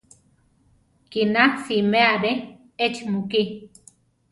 Kina siméa re échi mukí.